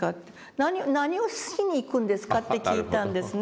何をしに行くんですか？」って聞いたんですね。